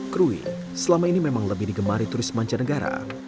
krui selama ini memang lebih digemari turis mancanegara